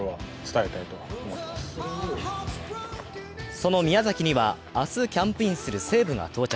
その宮崎には明日キャンプインする西武が到着。